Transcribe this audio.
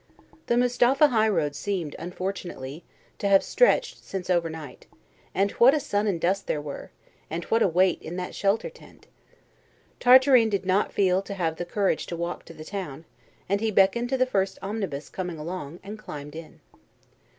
The Mustapha highroad seemed, unfortunately, to have stretched since overnight; and what a sun and dust there were, and what a weight in that shelter tent! Tartarin did not feel to have the courage to walk to the town, and he beckoned to the first omnibus coming along, and climbed in.